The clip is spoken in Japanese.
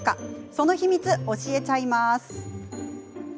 その秘密、教えちゃいます。